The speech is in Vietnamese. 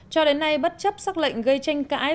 cho đến nay bất chấp xác lệnh gây tranh cãi